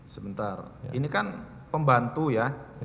sebentar ini kan pembantu ya